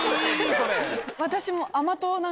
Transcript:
私も。